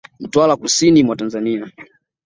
Mtwara Kusini mwa Tanzania